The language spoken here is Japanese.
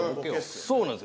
そうなんです。